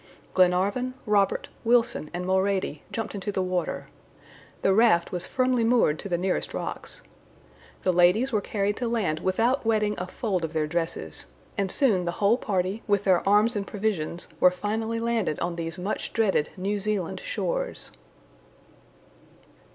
Glenarvan, Robert, Wilson, and Mulrady, jumped into the water. The raft was firmly moored to the nearest rocks. The ladies were carried to land without wetting a fold of their dresses, and soon the whole party, with their arms and provisions, were finally landed on these much dreaded New Zealand shores.